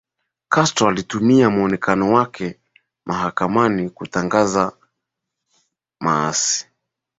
Castro alitumia muonekano wake mahakamani kutangaza maasi